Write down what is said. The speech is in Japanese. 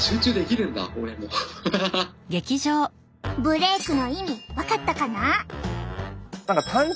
ブレークの意味分かったかな？